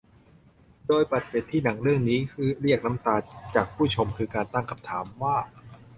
โดยหมัดเด็ดที่หนังเรื่องนี้เรียกน้ำตาจากผู้ชมคือการตั้งคำถามว่า